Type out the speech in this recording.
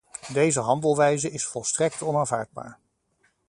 Deze handelwijze is volstrekt onaanvaardbaar.